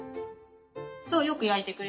そうよく焼いてくれる。